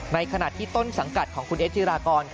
ในขณะที่ต้นสังกัดของคุณเอสจิรากร